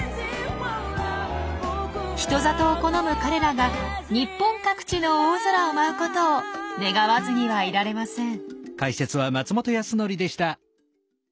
人里を好む彼らが日本各地の大空を舞うことを願わずにはいられません。